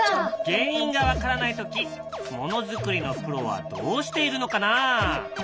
原因が分からない時物作りのプロはどうしているのかな？